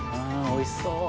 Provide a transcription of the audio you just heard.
おいしそう。